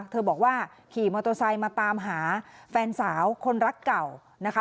เธอบอกว่าขี่มอเตอร์ไซค์มาตามหาแฟนสาวคนรักเก่านะคะ